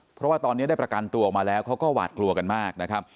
เพราะว่าตอนนี้ได้ประกันตัวออกมาแล้วเขาก็หวาดกลัวกันมากนะครับ